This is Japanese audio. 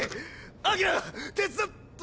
アキラ手伝って。